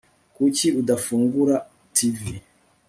Kuki udafungura TV